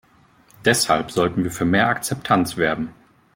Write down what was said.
Deshalb sollten wir für mehr Akzeptanz werben.